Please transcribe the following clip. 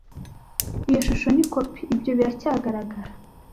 Iyo shusho ni kopi. Ibyo biracyagaragara.